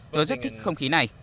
tôi rất thích không khí này